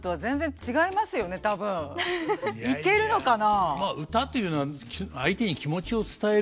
いけるのかな？